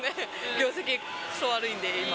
業績、くそ悪いんで、今。